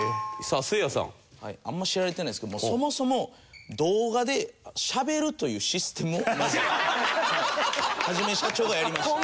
あんま知られてないですけどもそもそも動画でしゃべるというシステムをまずはじめしゃちょーがやりました。